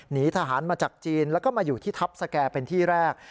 หนีทหารมาจากจีนแล้วก็มาอยู่ที่ทัพสแก่เป็นที่แรก